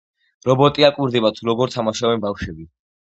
რობოტი აკვირდება, თუ როგორ თამაშობენ ბავშვები.